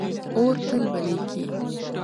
اور تل بلېږي.